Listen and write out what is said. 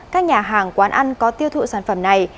các nhà hàng quán ăn có tiêu thụ sản phẩm này